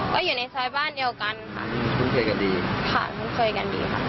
ก็อยู่ในซอยบ้านเดียวกันค่ะคุ้นเคยกันดีค่ะคุ้นเคยกันดีค่ะ